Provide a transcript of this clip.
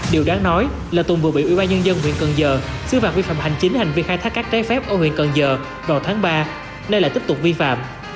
điều đáng nói là tùng vừa bị ủy ban nhân dân huyện cần giờ xứ bạc vi phạm hành chính hành vi khai thác các trái phép ở huyện cần giờ vào tháng ba nay lại tiếp tục vi phạm